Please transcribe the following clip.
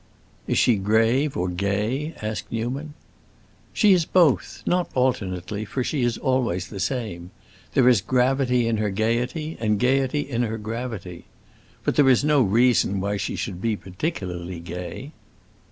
"Is she grave or gay?" asked Newman. "She is both; not alternately, for she is always the same. There is gravity in her gaiety, and gaiety in her gravity. But there is no reason why she should be particularly gay."